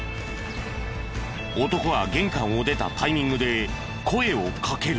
男が玄関を出たタイミングで声をかける。